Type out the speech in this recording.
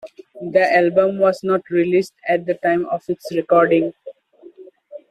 The album was not released at the time of its recording.